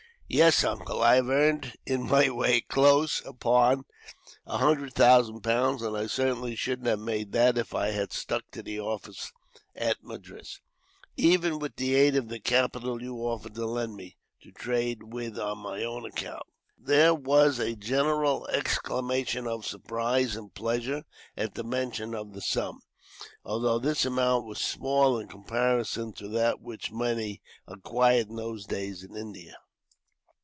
"Yes, Uncle. I have earned, in my way, close upon a hundred thousand pounds; and I certainly shouldn't have made that if I had stuck to the office at Madras, even with the aid of the capital you offered to lend me, to trade with on my own account." There was a general exclamation of surprise and pleasure, at the mention of the sum; although this amount was small, in comparison to that which many acquired, in those days, in India.